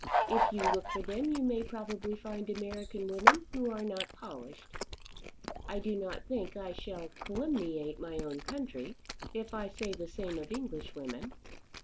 If you look for them you may probably find American women who are not polished. I do not think I shall calumniate my own country if I say the same of English women.